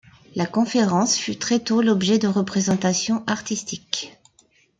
La conférence fut très tôt l'objet de représentations artistiques.